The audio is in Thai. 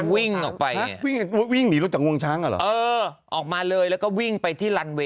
วิ่งหลักจากวงช้าง